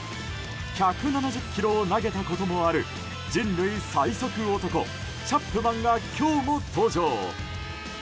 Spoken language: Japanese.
１７０キロを投げたこともある人類最速男、チャップマンが今日も登場。